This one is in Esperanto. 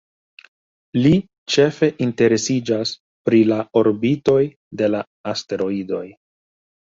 Li ĉefe interesiĝas pri la orbitoj de la asteroidoj.